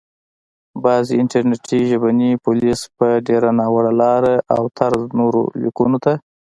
بعضي انټرنټي ژبني پوليس په ډېره ناوړه لاره او طرز نورو ليکونکو ته